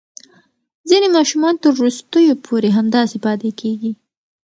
ځینې ماشومان تر وروستیو پورې همداسې پاتې کېږي.